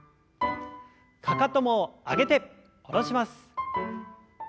かかとも上げて下ろします。